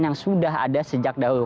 yang sudah ada sejak dahulu